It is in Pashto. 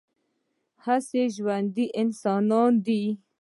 هسې ژوندي انسانان دي